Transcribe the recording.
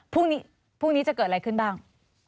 พรุ่งนี้จะเกิดอะไรขึ้นบ้าง